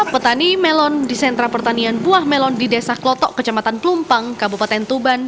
petani melon di sentra pertanian buah melon di desa klotok kecamatan pelumpang kabupaten tuban